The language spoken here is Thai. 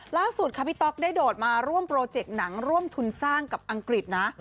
ล่าสุดค่ะพี่ต๊อกได้โดดมาร่วมโปรเจกต์หนังร่วมทุนสร้างกับอังกฤษนะ